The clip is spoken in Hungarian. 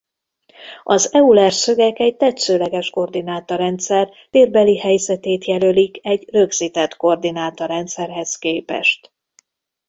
Az Euler-szögek egy tetszőleges koordináta-rendszer térbeli helyzetét jelölik egy rögzített koordináta-rendszerhez képest.